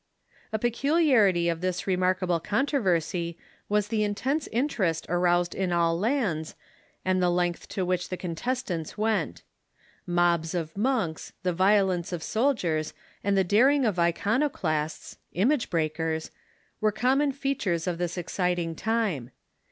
A peculiarity of this remarkable controversy was the in tense interest aroused in all lands, and the length to Avhich the contestants went. Mobs of monks, the violence of sol diers, and the daring of iconoclasts (image breakers) were common features of this exciting time.